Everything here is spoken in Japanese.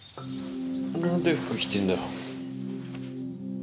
何で服着てんだ？